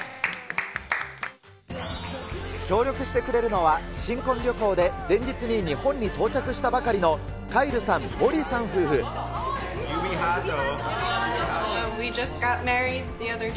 協力してくれるのは、新婚旅行で前日に日本に到着したばかりのカイルさん、指ハート。